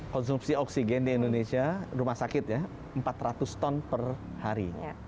konsumsi oksigen di indonesia rumah sakit ya empat ratus ton per hari